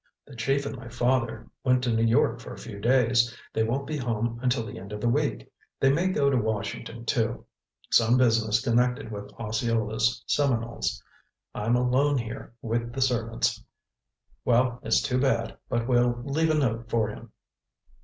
"The Chief and my father went to New York for a few days. They won't be home until the end of the week. They may go to Washington, too. Some business connected with Osceola's Seminoles. I'm alone here with the servants. Well, it's too bad, but we'll leave a note for him."